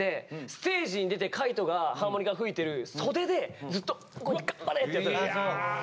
ステージに出て海人がハーモニカ吹いてる袖でずっとこうやって「頑張れ！」ってやってたんですよ。